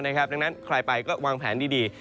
ดังนั้นใครไปก็วางแผนดี